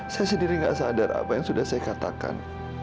saya sendiri tidak sadar apa yang sudah saya katakan